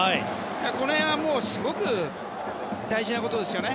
この辺はすごく大事なことですよね。